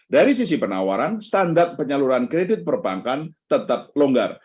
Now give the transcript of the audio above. dari sisi penawaran standar penyaluran kredit perbankan tetap longgar